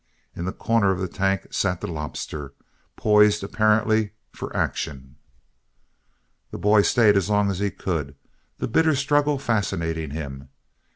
In the corner of the tank sat the lobster, poised apparently for action. The boy stayed as long as he could, the bitter struggle fascinating him.